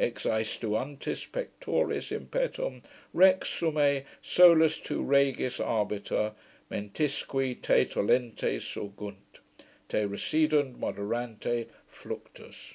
Exaestuantis pectoris impetum. Rex summe, solus tu regis arbiter, Mentisque, te tollente, surgunt, Te recidunt moderante fluctus.